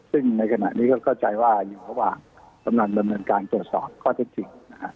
ซึ่งในขณะนี้ก็เข้าใจว่าอยู่ระหว่างปัญหาบรรณการตรวจสอบก็จะจริง